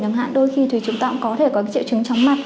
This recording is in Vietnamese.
đồng hạn đôi khi thì chúng ta cũng có thể có triệu chứng chóng mắt